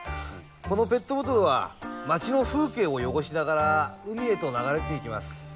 このペットボトルは街の風景を汚しながら海へと流れていきます。